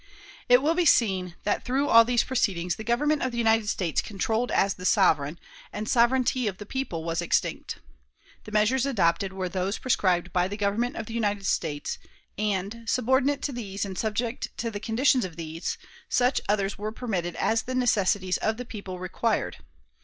It will be seen that, through all these proceedings, the Government of the United States controlled as the sovereign, and sovereignty of the people was extinct. The measures adopted were those prescribed by the Government of the United States; and, subordinate to these and subject to the conditions of these, such others were permitted as the necessities of the people required.